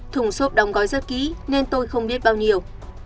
thùng xốp đóng gói rất kỹ nên tôi không biết bao nhiêu